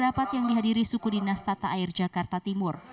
dalam rapat yang dihadiri sukudinastata air jakarta timur